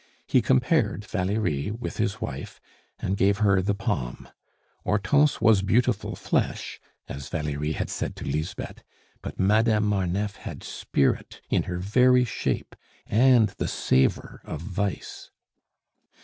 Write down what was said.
He compared Valerie with his wife and gave her the palm. Hortense was beautiful flesh, as Valerie had said to Lisbeth; but Madame Marneffe had spirit in her very shape, and the savor of vice.